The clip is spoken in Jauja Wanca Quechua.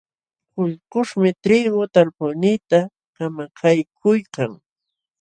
Kullkuśhmi triigu talpuyniita kamakaykuykan.